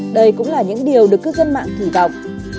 đây cũng là những điều được cư dân mạng kỳ vọng